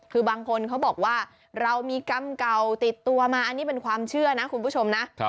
คือบางคนเขาบอกว่าเรามีกรรมเก่าติดตัวมาอันนี้เป็นความเชื่อนะคุณผู้ชมนะ